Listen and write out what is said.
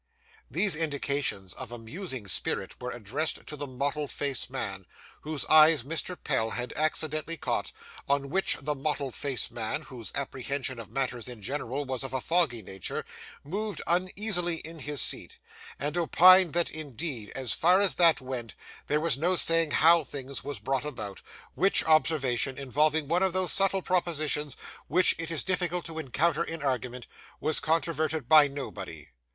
These indications of a musing spirit were addressed to the mottled faced man, whose eyes Mr. Pell had accidentally caught; on which, the mottled faced man, whose apprehension of matters in general was of a foggy nature, moved uneasily in his seat, and opined that, indeed, so far as that went, there was no saying how things was brought about; which observation, involving one of those subtle propositions which it is difficult to encounter in argument, was controverted by nobody.